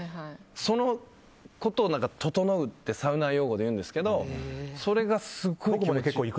それのことを「ととのう」ってサウナ用語でいうんですけどそれが気持ちいい。